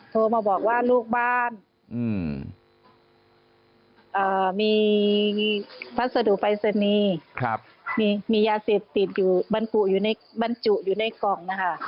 โทรมาบอกว่าลูกบ้านมีพัสดุไฟเซนีมียาศิษย์ติดบรรจุอยู่ในกล่อง